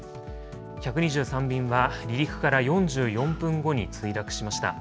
１２３便は離陸から４４分後に墜落しました。